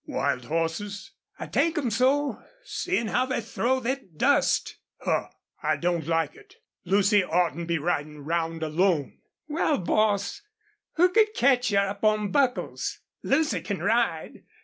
"Wild hosses?" "I take 'em so, seein' how they throw thet dust." "Huh! I don't like it. Lucy oughtn't be ridin' round alone." "Wal, boss, who could catch her up on Buckles? Lucy can ride.